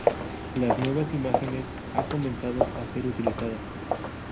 Las nuevas imágenes ha comenzado a ser utilizada.